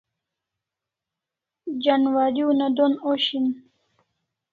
Janwari una don osh hin